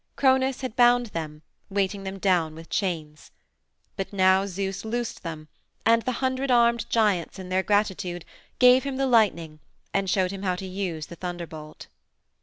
Cronos had bound them, weighing them down with chains. But now Zeus loosed them and the hundred armed giants in their gratitude gave him the lightning and showed him how to use the thunderbolt.